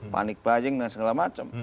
panik buying dan segala macam